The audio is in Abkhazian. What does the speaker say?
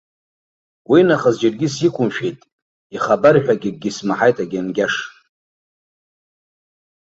Уинахыс џьаргьы сиқәымшәеит, ихабарҳәагьы акгьы смаҳаит агьангьаш!